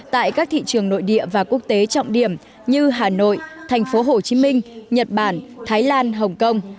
tại các thị trường nội địa và quốc tế trọng điểm như hà nội thành phố hồ chí minh nhật bản thái lan hồng kông